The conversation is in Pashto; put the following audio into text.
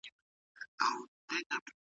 ولي ځیني خلګ یوازي د خپل ګوند ستاینه کوي؟